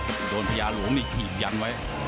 จะต่อยมัดครับโดนพญาหลวงนี่ขีบยังไว้